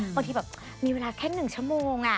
บางทีแบบมีเวลาแค่หนึ่งชั่วโมงอะ